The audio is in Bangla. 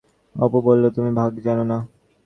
অপু বলিল, তুমি ভাগ জানো না?